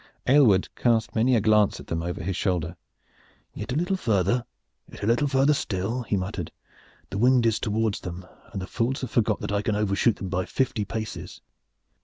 Aylward cast many a glance at them over his shoulder. "Yet a little farther! Yet a little farther still!" he muttered. "The wind is towards them and the fools have forgot that I can overshoot them by fifty paces.